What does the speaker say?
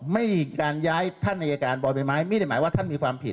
ไม่การย้ายท่านอายการบ่อใบไม้ไม่ได้หมายว่าท่านมีความผิด